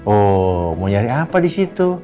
oh mau nyari apa disitu